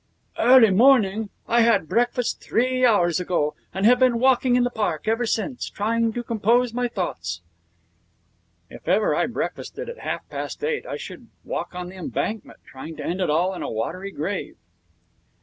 'Early morning! I had breakfast three hours ago, and have been walking in the park ever since, trying to compose my thoughts.' If I ever breakfasted at half past eight I should walk on the Embankment, trying to end it all in a watery grave.